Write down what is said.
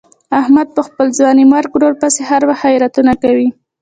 احمد په خپل ځوانیمرګ ورور پسې هر کال خیراتونه کوي.